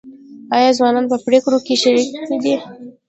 آیا ځوانان په پریکړو کې شریک دي؟